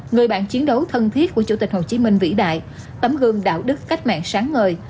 người bạn chiến đấu thân thiết của chủ tịch hồ chí minh vĩ đại tấm gương đạo đức cách mạng sáng ngời